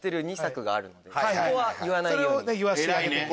そこは言わないように。